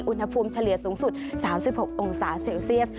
อุณหภูมิเฉลี่ยสูงสุด๓๖องศาเซลเซียส